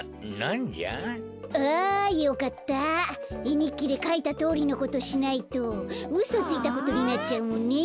えにっきでかいたとおりのことしないとうそついたことになっちゃうもんね。